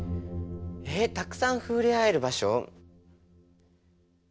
えったくさん触れ合える場所？